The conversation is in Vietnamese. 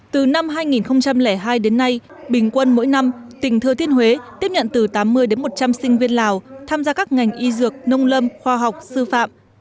từ năm hai nghìn hai đến nay bình quân mỗi năm tỉnh thừa thiên huế tiếp nhận từ tám mươi đến một trăm linh sinh viên lào tham gia các ngành y dược nông lâm khoa học sư phạm